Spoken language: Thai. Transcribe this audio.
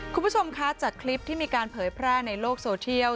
คุณผู้ชมคะจากคลิปที่มีการเผยแพร่ในโลกโซเทียล